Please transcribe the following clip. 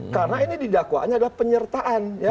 karena ini didakwanya adalah penyertaan